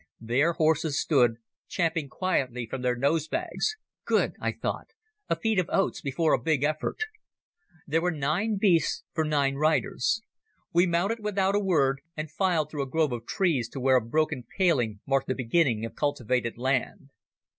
There horses stood, champing quietly from their nosebags. "Good," I thought; "a feed of oats before a big effort." There were nine beasts for nine riders. We mounted without a word and filed through a grove of trees to where a broken paling marked the beginning of cultivated land.